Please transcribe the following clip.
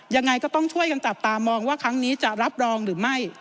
ยังไงก็ต้องช่วยกันจับตามองว่าครั้งนี้จะรับรองหรือไม่